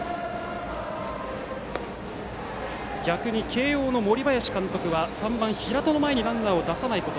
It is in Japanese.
逆に慶応の森林監督は３番、平田の前にランナーを出さないこと。